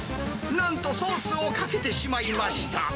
なんとソースをかけてしまいました。